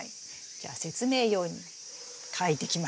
じゃあ説明用に描いてきましたよ。